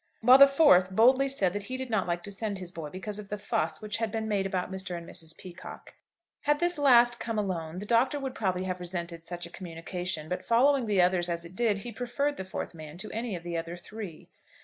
While the fourth boldly said that he did not like to send his boy because of the "fuss" which had been made about Mr. and Mrs. Peacocke. Had this last come alone, the Doctor would probably have resented such a communication; but following the others as it did, he preferred the fourth man to any of the other three.